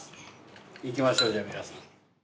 行きましょうじゃあ皆さん。